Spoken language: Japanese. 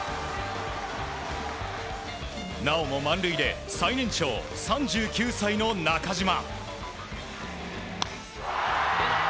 なおも満塁で最年長３９歳の中島。